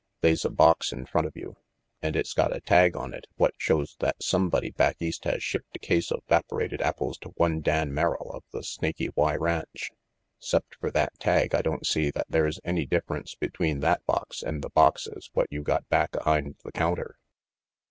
They's a box in front of you, and it's got a tag on it what shows that somebody back East has shipped a case of 'vaporated apples to one Dan Merrill of the Snaky Y ranch. 'Cept fer that tag, I don't see that they's any difference between that box and the boxes what you got back ahind the counter."